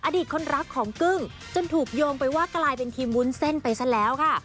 อดีตคนรักของกึ้งจนถูกโยงไปว่ากลายเป็นทีมวุ้นเส้นไปซะแล้วค่ะ